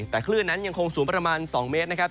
แต่คลื่นนั้นยังคงสูงประมาณ๒เมตรนะครับ